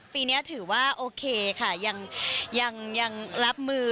ปีนี้ถือว่าโอเคค่ะยังรับมือ